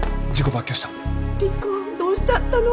莉子どうしちゃったの？